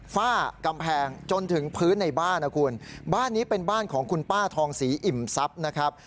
ฝ้ากำแพงจนถึงพื้นในบ้านนะคุณบ้านนี้เป็นบ้านของคุณป้าทองศรีอิ่มทรัพย์นะครับ